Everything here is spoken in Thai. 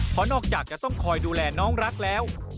เพราะนอกจากจะต้องคอยดูแลน้องรักแล้ว